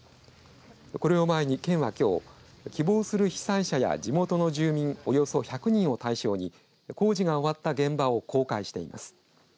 これを前に県はきょう希望する被災者や地元の住民およそ１００人を対象に工事が終わった現場を公開しています。